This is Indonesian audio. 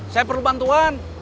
saya perlu bantuan